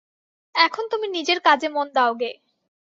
এখন তুমি নিজের কাজে মন দাওগে।